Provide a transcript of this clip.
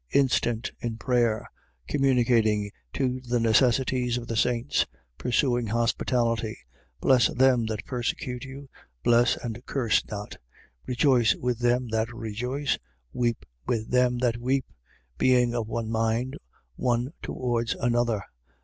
Instant in prayer. 12:13. Communicating to the necessities of the saints. Pursuing hospitality. 12:14. Bless them that persecute you: bless, and curse not. 12:15. Rejoice with them that rejoice: weep with them that weep. 12:16. Being of one mind one towards another.